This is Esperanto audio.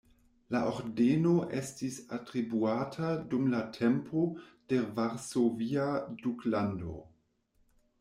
La ordeno estis atribuata dum la tempo de Varsovia Duklando.